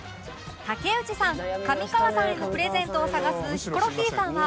竹内さん上川さんへのプレゼントを探すヒコロヒーさんは